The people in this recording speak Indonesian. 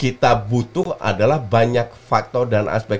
kita butuh adalah banyak faktor dan aspek